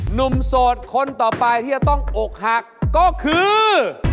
โสดคนต่อไปที่จะต้องอกหักก็คือ